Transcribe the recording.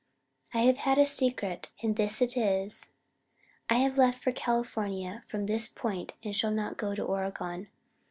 I have had a Secret and this is it: I have left for California from this Point and shall not go to Oregon.